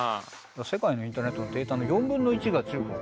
世界のインターネットのデータの４分の１が中国。